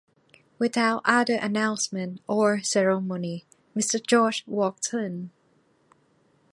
Without other announcement or ceremony, Mr. George walks in.